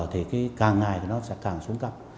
thì càng ngày nó sẽ càng xuống cấp